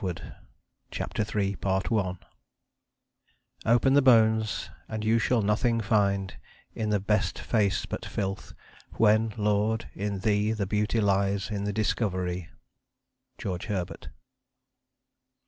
p. 111. CHAPTER III SOUTHWARD Open the bones, and you shall nothing find In the best face but filth; when, Lord, in Thee The beauty lies in the discovery. GEORGE HERBERT.